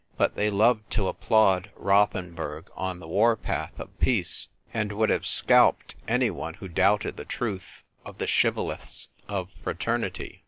But they loved to applaud Rothenburg on the war path of peace, and would have scalped anyone who doubted the truth of the shibboleths of fraternity.